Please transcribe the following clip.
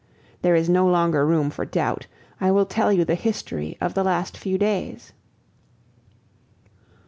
There is no longer room for doubt. I will tell you the history of the last few days.